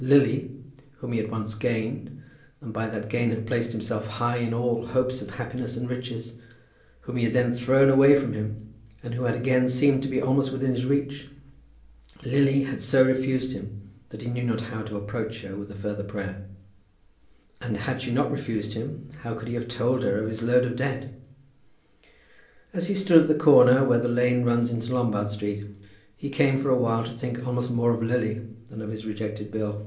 Lily, whom he had once gained, and by that gain had placed himself high in all hopes of happiness and riches, whom he had then thrown away from him, and who had again seemed to be almost within his reach, Lily had so refused him that he knew not how to approach her with a further prayer. And, had she not refused him, how could he have told her of his load of debt? As he stood at the corner where the lane runs into Lombard Street, he came for a while to think almost more of Lily than of his rejected bill.